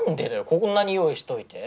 こんなに用意しといて？